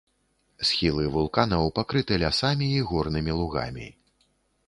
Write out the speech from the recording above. Схілы вулканаў пакрыты лясамі і горнымі лугамі.